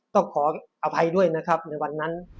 ต้องขออภัยด้วยนะครับในวันนั้น